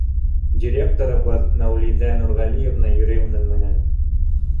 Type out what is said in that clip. Директорыбыҙ Мәүлиҙә Нурғәлиевна йөрөй уның менән.